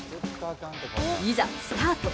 いざ、スタート。